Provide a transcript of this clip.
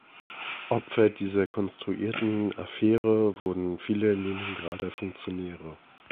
Opfer dieser konstruierten Affäre wurden viele Leningrader Funktionäre.